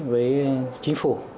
với chính phủ